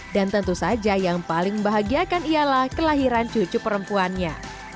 dan tentu saja yang paling membahagiakan ialah kelahiran cucu perempuannya